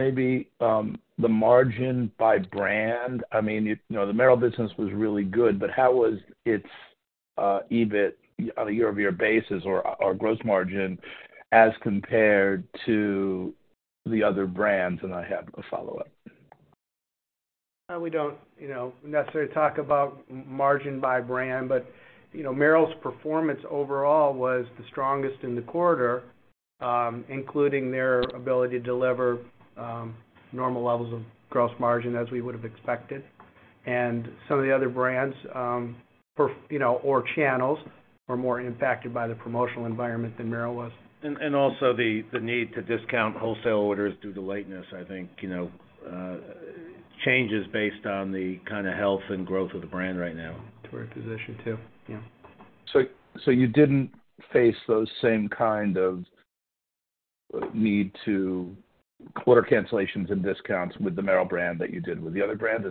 maybe the margin by brand. I mean, you know, the Merrell business was really good, but how was its EBIT on a year-over-year basis or gross margin as compared to the other brands? I have a follow-up. We don't, you know, necessarily talk about margin by brand. But, you know, Merrell's performance overall was the strongest in the quarter, including their ability to deliver normal levels of gross margin as we would have expected. Some of the other brands, you know, or channels were more impacted by the promotional environment than Merrell was. Also, the need to discount wholesale orders due to lateness, I think, you know, changes based on the kinda health and growth of the brand right now. Inventory position too. Yeah. You didn't face those same kind of order cancellations and discounts with the Merrell brand that you did with the other brand?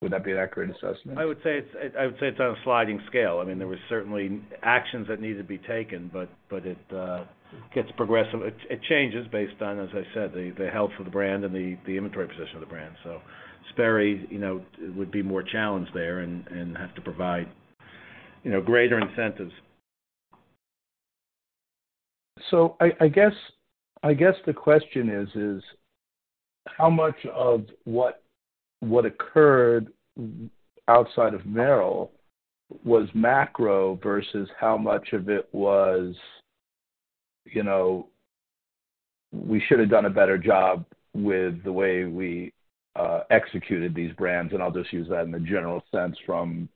Would that be an accurate assessment? I would say it's on a sliding scale. I mean, there was certainly actions that needed to be taken, but it gets progressive. It changes based on, as I said, the health of the brand and the inventory position of the brand. So Sperry, you know, would be more challenged there and have to provide, you know, greater incentives. I guess the question is how much of what occurred outside of Merrell was macro versus how much of it was, you know, we should have done a better job with the way we executed these brands? I'll just use that in a general sense from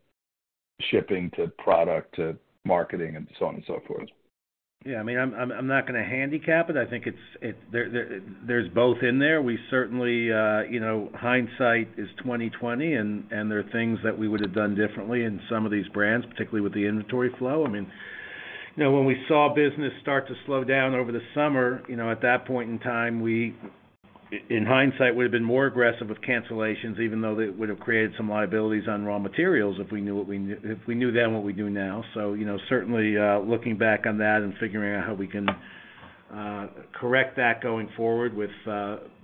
shipping to product to marketing and so on and so forth. Yeah. I mean, I'm not gonna handicap it. I think it's, there's both in there. We certainly, you know, hindsight is 20/20 and there are things that we would have done differently in some of these brands, particularly with the inventory flow. I mean, you know, when we saw business start to slow down over the summer, you know, at that point in time, we, in hindsight, would've been more aggressive with cancellations, even though that would've created some liabilities on raw materials if we knew then what we know now. You know, certainly, looking back on that and figuring out how we can correct that going forward with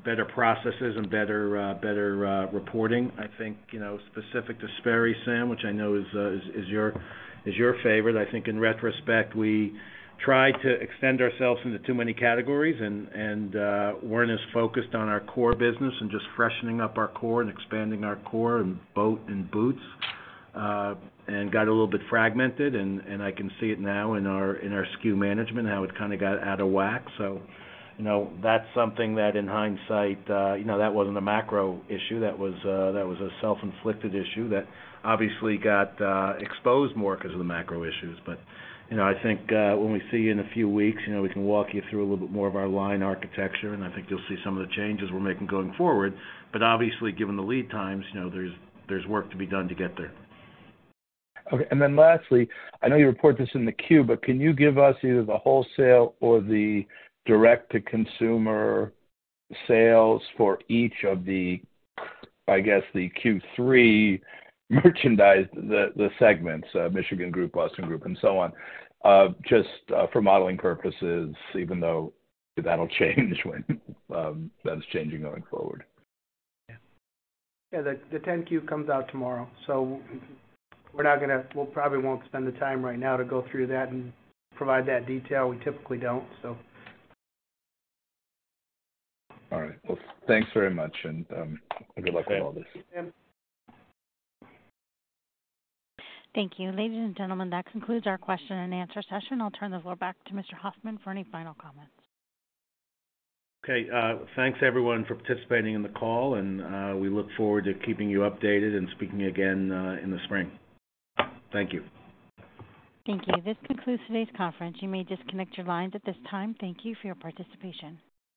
better processes and better reporting. I think, you know, specific to Sperry, Sam, which I know is your favorite. I think in retrospect, we tried to extend ourselves into too many categories and weren't as focused on our core business and just freshening up our core and expanding our core in boat and boots and got a little bit fragmented. I can see it now in our SKU management, how it kinda got out of whack. You know, that's something that in hindsight that wasn't a macro issue, that was a self-inflicted issue that obviously got exposed more 'cause of the macro issues. You know, I think, when we see you in a few weeks, you know, we can walk you through a little bit more of our line architecture, and I think you'll see some of the changes we're making going forward. Obviously, given the lead times, you know, there's work to be done to get there. Okay. Lastly, I know you report this in the 10-Q, but can you give us either the wholesale or the direct to consumer sales for each of the, I guess, the Q3 merchandise, the segments, Michigan Group, Boston Group and so on? Just for modeling purposes, even though that'll change when that's changing going forward. Yeah. The 10-Q comes out tomorrow, so we'll probably won't spend the time right now to go through that and provide that detail. We typically don't, so. All right. Well, thanks very much and good luck on all this. Thanks. Yeah. Thank you. Ladies and gentlemen, that concludes our question and answer session. I'll turn the floor back to Mr. Hoffman for any final comments. Okay. Thanks everyone for participating in the call, and we look forward to keeping you updated and speaking again in the spring. Thank you. Thank you. This concludes today's conference. You may disconnect your lines at this time. Thank you for your participation.